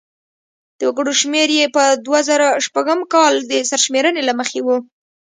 د وګړو شمېر یې په دوه زره شپږم کال د سرشمېرنې له مخې و.